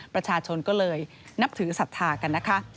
ประชาชนก็เลยนับถือศรัทธากันนะคะ